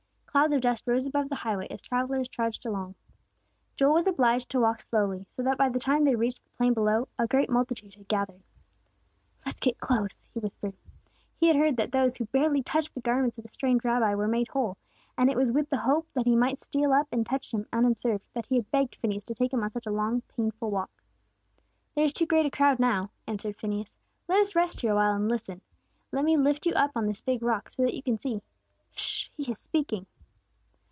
Clouds of dust rose above the highway as the travellers trudged along. Joel was obliged to walk slowly, so that by the time they reached the plain below, a great multitude had gathered. "Let's get close," he whispered. He had heard that those who barely touched the garments of the strange Rabbi were made whole, and it was with the hope that he might steal up and touch Him unobserved that he had begged Phineas to take him on such a long, painful walk. "There is too great a crowd, now," answered Phineas. "Let us rest here awhile, and listen. Let me lift you up on this big rock, so that you can see. 'Sh! He is speaking!"